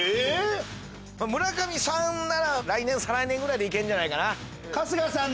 村上さんなら再来年ぐらいでいけるんじゃないかな。